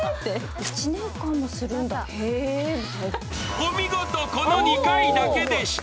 お見事、この２回だけでした。